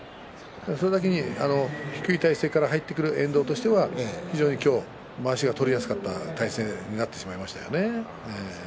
それだけに低い体勢から入ってくる遠藤としては非常に今日、まわしが取りやすかった体勢になってしまいましたね。